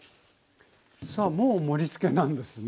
さあもう盛りつけなんですね。